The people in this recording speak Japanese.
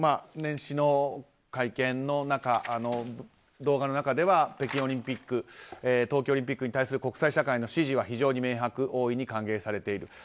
年始の会見の動画の中では北京の冬季オリンピックに対する国際社会の支持は非常に明白で大いに歓迎されている。